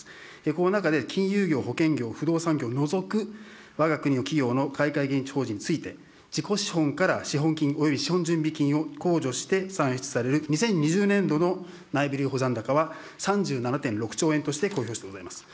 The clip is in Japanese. この中で金融業、保険業、不動産業除くわが国の企業の海外現地法人について、自己資本から資本金および２０２０年度の内部留保残高は、３７．６兆円として公表してございます。